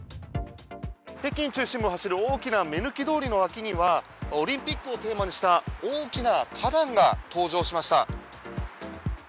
北京中心部を走る大きな目抜き通りの脇には、オリンピックをテーマにした大きな花壇が登場しました。